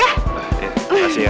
iya terima kasih ya